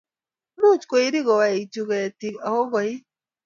Much koiri kowaikchu ketik ago koik